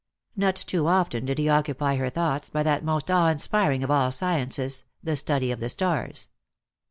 Not too often did he occupy her thoughts by that most awe inspiring of all sciences, the study of the stars.